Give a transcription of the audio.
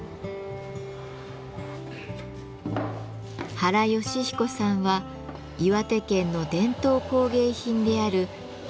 原義彦さんは岩手県の伝統工芸品である南部たんすの職人。